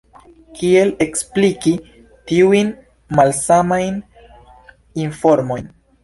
Kiel ekspliki tiujn malsamajn informojn?